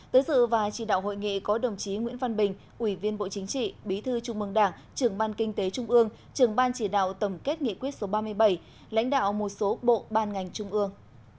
tới dự và chỉ đạo hội nghị có đồng chí nguyễn văn bình ủy viên bộ chính trị bí thư trung mương đảng trưởng ban kinh tế trung ương trưởng ban chỉ đạo tổng kết nghị quyết số ba mươi bảy lãnh đạo một số bộ ban ngành trung ương